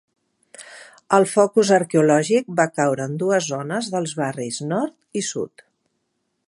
El focus arqueològic va caure en dues zones dels barris nord i sud.